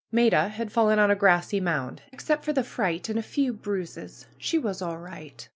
Maida had fallen on a grassy mound. Ikcept for the fright and a few bruises she was all right.